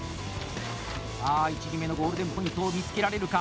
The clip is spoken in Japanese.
さあ位置決めのゴールデンポイントを見つけられるか？